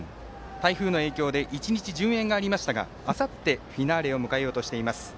台風の影響で１日、順延がありましたがあさって、フィナーレを迎えようとしています。